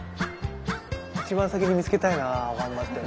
一番先に見つけたいな頑張って。